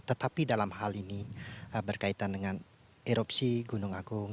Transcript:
tetapi dalam hal ini berkaitan dengan erupsi gunung agung